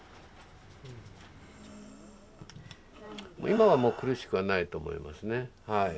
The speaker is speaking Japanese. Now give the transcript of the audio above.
今はもう苦しくはないと思いますねはい。